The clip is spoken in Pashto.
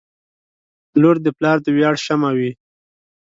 • لور د پلار د ویاړ شمعه وي.